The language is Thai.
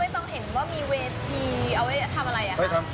อยากรู้จังเลยที่สุชาติทำแบบนี้ได้อะไร